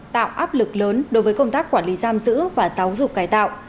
tạo áp lực lớn đối với công tác quản lý giam giữ và giáo dục cải tạo